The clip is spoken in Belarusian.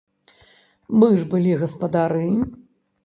Мы ж былі гаспадары!